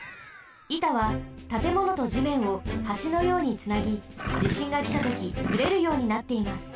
いたはたてものとじめんをはしのようにつなぎじしんがきたときずれるようになっています。